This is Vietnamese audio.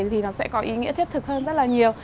thì nó sẽ có ý nghĩa thiết thực hơn rất là nhiều